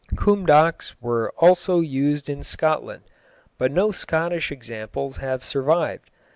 Cumhdachs were also used in Scotland, but no Scottish examples have survived.